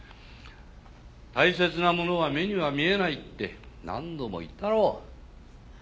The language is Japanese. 「大切なものは目には見えない」って何度も言ったろう。